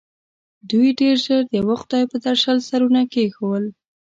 دوی ډېر ژر د یوه خدای پر درشل سرونه کېښول.